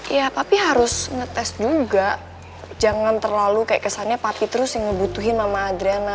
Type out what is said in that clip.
ya tapi harus ngetes juga jangan terlalu kayak kesannya papi terus yang ngebutin mama adriana